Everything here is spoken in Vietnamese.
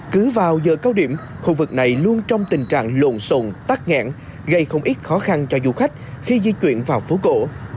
cứ vào giờ cao điểm khu vực này luôn trong tình trạng lộn xùn tắc nghẹn gây không ít khó khăn cho du khách khi di chuyển vào phố cổ